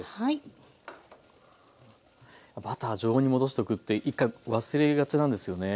バター常温に戻しとくって１回忘れがちなんですよね。